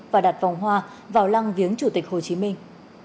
và đặt vòng hoa vào lăng viếng chủ tịch hồ chí minh